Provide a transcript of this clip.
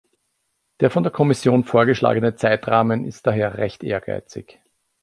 Der von der Kommission vorgeschlagene Zeitrahmen ist daher recht ehrgeizig.